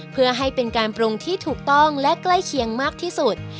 เพื่อให้เป็นการปรุงที่ถูกต้องและใกล้เคียงมากที่สุด